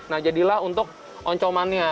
nah jadilah untuk oncomannya